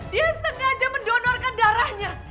dia sengaja mendonorkan darahnya